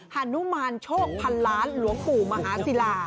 ฮานุมานโชคพันล้านหลวงปู่มหาศิลา